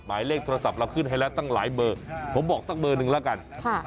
หมายเลขโทรศัพท์เราขึ้นให้แล้วตั้งหลายเบอร์ผมบอกตั้งเบอร์หนึ่งละกัน๐๘๑๗๐๑๑๑๙๙